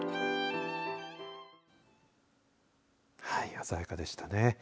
鮮やかでしたね。